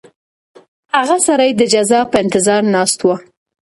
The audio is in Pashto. هغه سړی د جزا په انتظار ناست و.